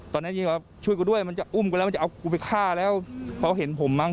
ตอนนั้นยิ่งเขาช่วยกูด้วยมันจะอุ้มกูแล้วมันจะเอากูไปฆ่าแล้วเขาเห็นผมมั้ง